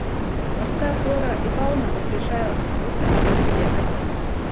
Марская флора і фаўна ўключае вустрыц і крэветак.